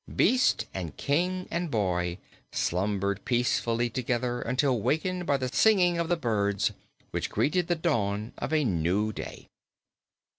Beast and King and boy slumbered peacefully together until wakened by the singing of the birds which greeted the dawn of a new day.